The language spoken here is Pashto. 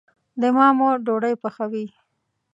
د ما مور ډوډي پخوي